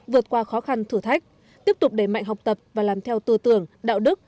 vượt qua khó khăn thử thách tiếp tục đẩy mạnh học tập và làm theo tư tưởng đạo đức